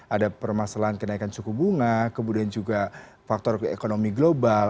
ada permasalahan kenaikan suku bunga kemudian juga faktor ekonomi global